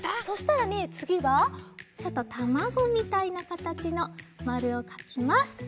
そしたらねつぎはちょっとたまごみたいなかたちのまるをかきます。